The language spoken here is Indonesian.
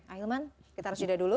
ailman kita harus sudah dulu